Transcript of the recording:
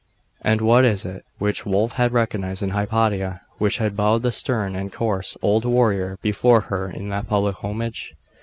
And what was it which Wulf had recognised in Hypatia which had bowed the stern and coarse old warrior before her in that public homage?....